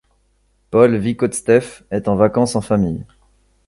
Paul Vykhodtsev est en vacances en famille.